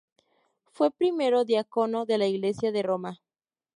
Fue primero diácono de la Iglesia de Roma.